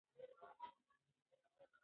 پاک وسایل وکاروئ.